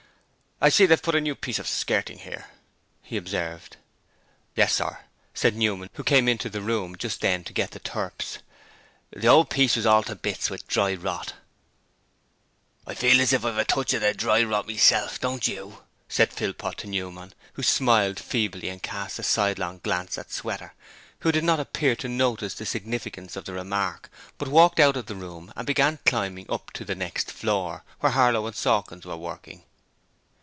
'I see they've put a new piece of skirting here,' he observed. 'Yes, sir,' said Newman, who came into the room just then to get the turps. 'The old piece was all to bits with dry rot.' 'I feel as if I 'ad a touch of the dry rot meself, don't you?' said Philpot to Newman, who smiled feebly and cast a sidelong glance at Sweater, who did not appear to notice the significance of the remark, but walked out of the room and began climbing up to the next floor, where Harlow and Sawkins were working.